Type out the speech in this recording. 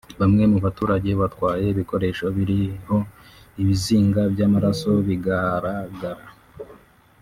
Bamwe mu baturage batwaye ibikoreho biriho ibizinga by’amaraso bigaragara